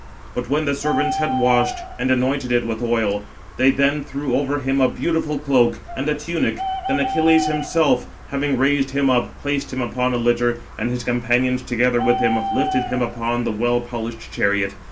But when the servants had washed and anointed it with oil, they then threw over him a beautiful cloak, and a tunic; then Achilles himself, having raised him up, placed him upon a litter, and his companions, together with [him], lifted him upon the well polished chariot.